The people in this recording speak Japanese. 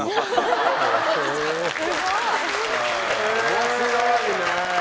面白いね。